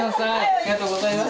ありがとうございます。